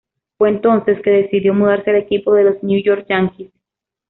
Fue entonces que decidió mudarse al equipo de los "New York Yankees".